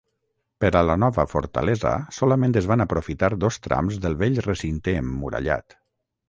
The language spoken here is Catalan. Per a la nova fortalesa solament es van aprofitar dos trams del vell recinte emmurallat.